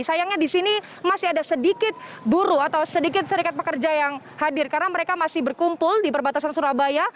sayangnya di sini masih ada sedikit buruh atau sedikit serikat pekerja yang hadir karena mereka masih berkumpul di perbatasan surabaya